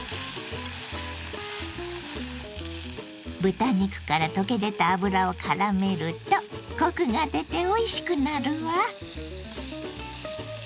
豚肉から溶け出た脂をからめるとコクが出ておいしくなるわ。